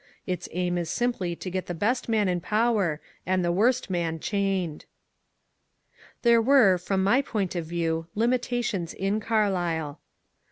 Its aim is simply to get the best man in power and the worst man chained I " There were, from my point of view, limitations in Carlyle.